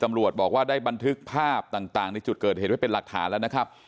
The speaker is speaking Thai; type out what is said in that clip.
ตำรวจบอกว่าได้บันทึกภาพต่างในจุดเกิดเหตุไว้เป็นหลักฐานแล้วนะครับ